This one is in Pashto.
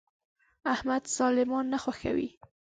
احمد ظالمان نه خوښوي.